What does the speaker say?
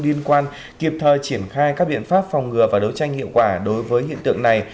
liên quan kịp thời triển khai các biện pháp phòng ngừa và đấu tranh hiệu quả đối với hiện tượng này